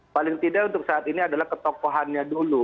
paling tidak untuk saat ini adalah ketokohannya dulu